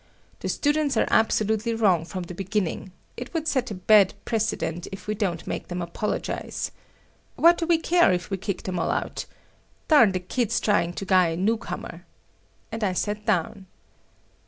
"The students are absolutely wrong from the beginning. It would set a bad precedent if we don't make them apologize ……. What do we care if we kick them all out ……. darn the kids trying to guy a new comer……." and I sat down.